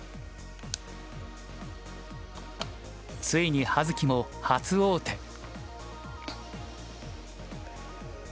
ついに葉月も初王手。